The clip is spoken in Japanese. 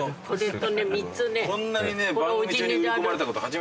こんなに。